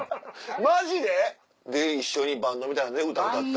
マジで⁉で一緒にバンドみたいので歌った？